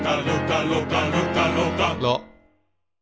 ろ。